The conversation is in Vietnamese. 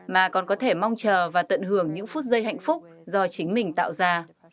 mà còn có thể mong chờ và tận hưởng những phút giây hạnh phúc do chính mình tạo ra